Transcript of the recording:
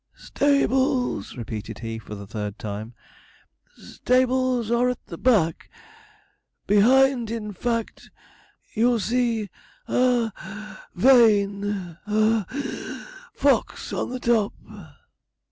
'stables,' repeated he for the third time; 'stables are at the back, behind, in fact; you'll see a (puff) vane a (wheeze) fox, on the top.'